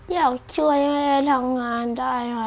อยากช่วยแม่ทำงานได้ค่ะ